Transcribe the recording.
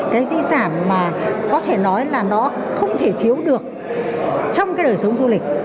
cái di sản mà có thể nói là nó không thể thiếu được trong cái đời sống du lịch